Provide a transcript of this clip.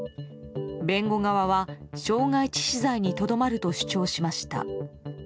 弁護側は傷害致死罪にとどまると主張しました。